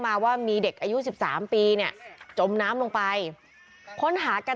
มาว่ามีเด็กอายุสิบสามปีเนี่ยจมน้ำลงไปค้นหากัน